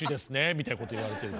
みたいなこと言われてる。